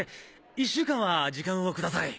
１週間は時間を下さい。